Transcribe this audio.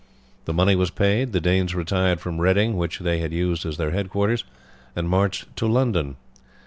The money was paid, the Danes retired from Reading, which they had used as their headquarters, and marched to London.